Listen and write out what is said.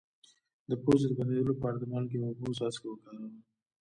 د پوزې د بندیدو لپاره د مالګې او اوبو څاڅکي وکاروئ